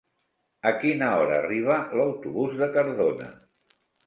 A quina hora arriba l'autobús de Cardona?